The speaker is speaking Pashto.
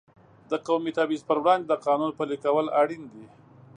د قومي تبعیض پر وړاندې د قانون پلي کول اړین دي.